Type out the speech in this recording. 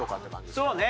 そうね。